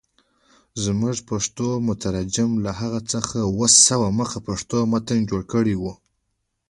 زموږ پښتو مترجم له هغه څخه اووه سوه مخه پښتو متن جوړ کړی.